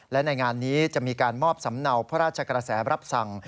และในงานนี้จะมีการมอบสำเนาพระราชกระแสรับสั่ง